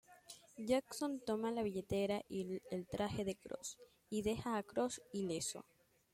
Jason toma la billetera y el traje de Cross y deja a Cross ileso.